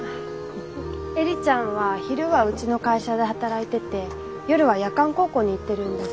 映里ちゃんは昼はうちの会社で働いてて夜は夜間高校に行ってるんです。